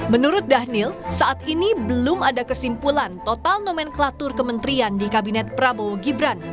menurut dhanil saat ini belum ada kesimpulan total nomenklatur kementerian di kabinet prabowo gibran